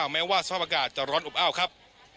แม้ว่าสภาพอากาศจะร้อนอบอ้าวครับ